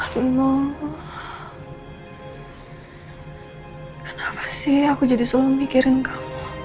nino kenapa sih aku jadi sulung mikirin kamu